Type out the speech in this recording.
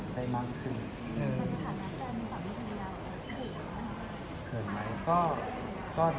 แบบไหนก็พิกัดก็